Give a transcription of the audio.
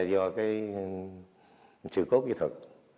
do cái sự cốt kỹ thuật